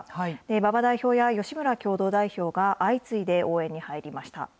馬場代表や吉村共同代表が相次いで応援に入りました。